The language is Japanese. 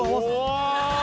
お！